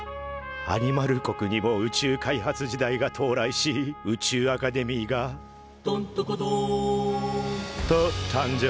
アニマル国にも宇宙開発時代が到来し宇宙アカデミーが「どんどこどん」と誕生。